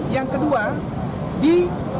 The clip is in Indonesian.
yang kedua di